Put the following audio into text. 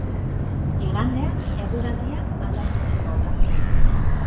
Igandean eguraldia aldatu egingo da.